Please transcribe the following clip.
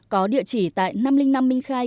có địa chỉ tại năm trăm linh năm minh khai